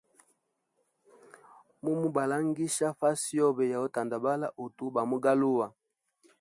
Mumu balangija fasi yabo yautandabala utu bamu galuwa.